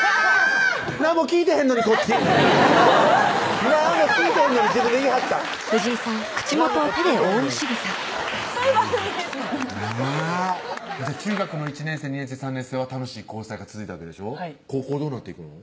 何も聞いてへんのにこっちなんも聞いてへんのに自分で言いはった何もこっち聞いてへんのにそういう番組ですからなぁ中学の１年生・２年生・３年生は楽しい交際が続いたわけでしょ高校どうなっていくの？